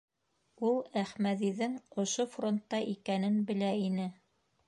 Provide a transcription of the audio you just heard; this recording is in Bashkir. Ул Әхмәҙиҙең ошо фронтта икәнен белә ине.